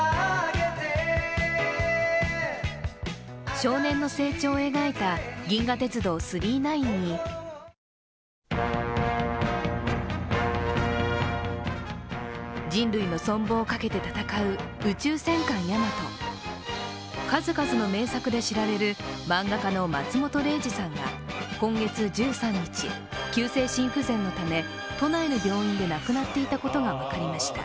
少年の成長を描いた「銀河鉄道９９９」に人類の存亡をかけて戦う「宇宙戦艦ヤマト」、数々の名作で知られる漫画家の松本零士さんが今月１３日、急性心不全のため都内の病院で亡くなっていたことが分かりました。